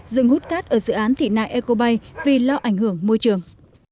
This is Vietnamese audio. dừng hút cát ở dự án thị nại ecobay vì lo ảnh hưởng môi trường